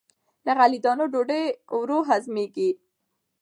له غلې- دانو ډوډۍ ورو هضمېږي.